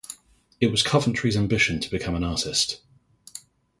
It was Coventry's ambition to become an artist.